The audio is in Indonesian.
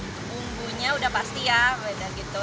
untuk bumbunya udah pasti ya beda gitu